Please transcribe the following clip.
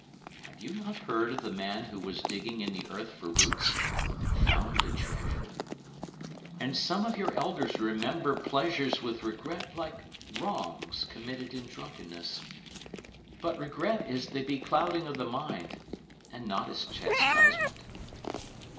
Have you not heard of the man who was digging in the earth for roots and found a treasure? And some of your elders remember pleasures with regret like wrongs committed in drunkenness. But regret is the beclouding of the mind and not its chastisement.